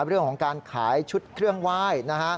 เรื่องของการขายชุดเครื่องไหว้นะฮะ